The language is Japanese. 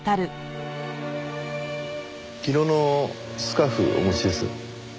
昨日のスカーフお持ちです？